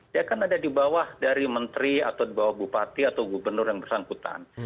dia kan ada di bawah dari menteri atau di bawah bupati atau gubernur yang bersangkutan